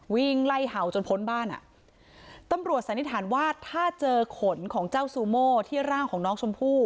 วิ่งไล่เห่าจนพ้นบ้านอ่ะตำรวจสันนิษฐานว่าถ้าเจอขนของเจ้าซูโม่ที่ร่างของน้องชมพู่